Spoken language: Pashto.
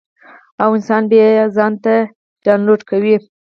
او انسان به ئې ځان ته ډاونلوډ کوي -